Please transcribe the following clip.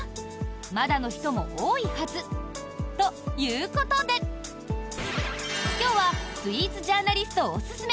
まだの人も多いはずということで今日はスイーツジャーナリストおすすめ